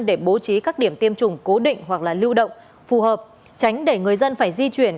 để bố trí các điểm tiêm chủng cố định hoặc là lưu động phù hợp tránh để người dân phải di chuyển